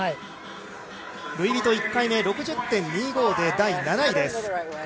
ルイ・ビト１回目、６０．２５で第７位です